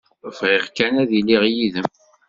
Bɣiɣ kan ad iliɣ yid-m.